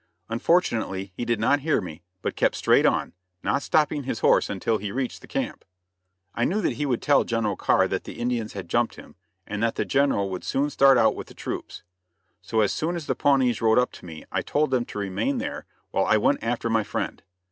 Unfortunately he did not hear me, but kept straight on, not stopping his horse until he reached the camp. [Illustration: MCCARTHY'S FRIGHT.] I knew that he would tell General Carr that the Indians had jumped him, and that the General would soon start out with the troops. So as soon as the Pawnees rode up to me I told them to remain there while I went after my friend.